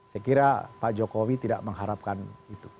saya kira pak jokowi tidak mengharapkan itu